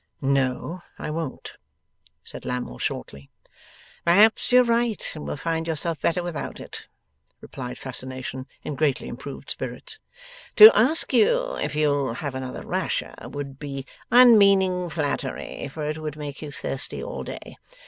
'No, I won't,' said Lammle, shortly. 'Perhaps you're right and will find yourself better without it,' replied Fascination, in greatly improved spirits. 'To ask you if you'll have another rasher would be unmeaning flattery, for it would make you thirsty all day.